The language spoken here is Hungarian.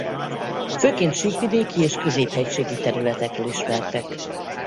Főként síkvidéki és középhegységi területekről ismertek.